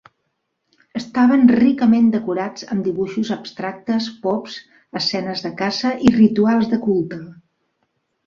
Estaven ricament decorats amb dibuixos abstractes, pops, escenes de caça i rituals de culte.